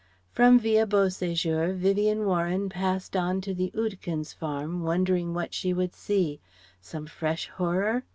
From Villa Beau séjour, Vivien Warren passed on to the Oudekens' farm, wondering what she would see Some fresh horror?